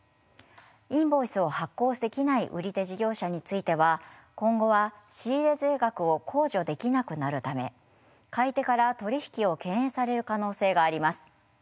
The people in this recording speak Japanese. インボイスを発行できない売り手事業者については今後は仕入れ税額を控除できなくなるため買い手から取り引きを敬遠される可能性があります。